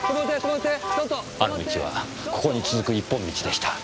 あの道はここに続く一本道でした。